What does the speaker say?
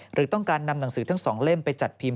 หรือต้องการนำหนังสือทั้งสองเล่มไปจัดพิมพ์